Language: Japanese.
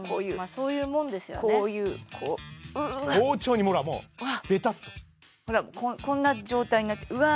そういうもんですよねこういうこうううう包丁にほらもうベタッとほらこんな状態になってうわ